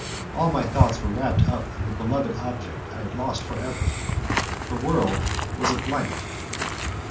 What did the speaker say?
All my thoughts were wrapped up in the beloved object I had lost for ever. The world was a blank!